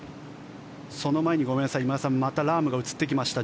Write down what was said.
その前に、ごめんなさい今田さん、またラームが映ってきました。